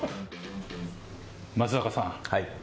松坂さん